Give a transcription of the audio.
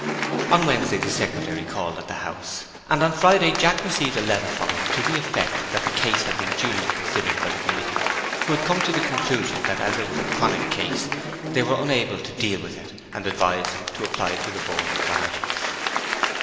On Wednesday the secretary called at the house, and on Friday Jack received a letter from him to the effect that the case had been duly considered by the committee, who had come to the conclusion that as it was a 'chronic' case they were unable to deal with it, and advised him to apply to the Board of Guardians.